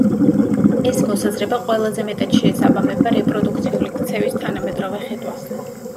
ეს მოსაზრება ყველაზე მეტად შეესაბამება რეპროდუქციული ქცევის თანამედროვე ხედვას.